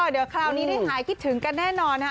เดี๋ยวคราวนี้ได้หายคิดถึงกันแน่นอนนะคะ